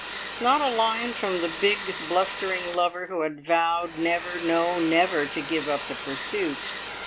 Not a line from the big, blustering lover who had vowed never, no, never, to give up the pursuit.